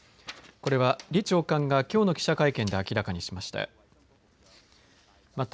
これは李長官が、きょうの記者会見で明らかにしました。